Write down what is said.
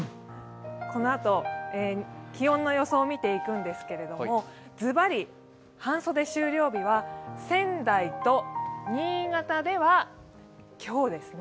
このあと、気温の予想を見ていくんですが、ズバリ、半袖終了日は仙台と新潟では今日ですね。